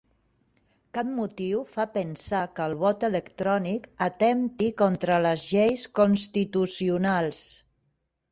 Cap motiu fa pensar que el vot electrònic atempti contra les lleis constitucionals